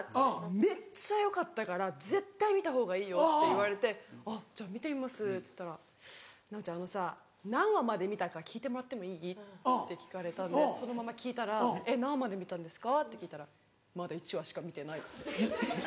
めっちゃ良かったから絶対見た方がいいって言われて「じゃ見てみます」って言ったら「奈央ちゃんあのさ何話まで見たか聞いてもらってもいい？」って聞かれたんでそのまま聞いたら「何話まで見たんですか？」って聞いたら「まだ１話しか見てない」って。